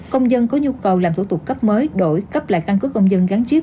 công dân có nhu cầu làm thủ tục cấp mới đổi cấp lại căn cứ công dân gắn chip